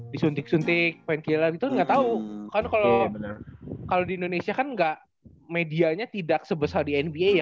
disuntik suntik painkiller gitu gak tau kan kalo di indonesia kan gak medianya tidak sebesar di nba ya